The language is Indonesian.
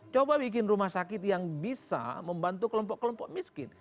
coba bikin rumah sakit yang bisa membantu kelompok kelompok miskin